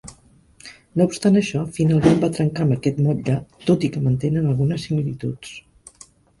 No obstant això, finalment va trencar amb aquest motlle, tot i que mantenen algunes similituds.